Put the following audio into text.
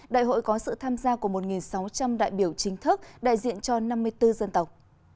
đại hội có sự tham gia của một sáu trăm linh đại biểu chính thức đại diện cho năm mươi bốn dân tộc